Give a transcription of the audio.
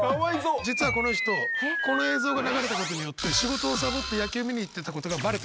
実はこの人この映像が流れたことによって仕事をサボって野球を見に行ってたことが。え！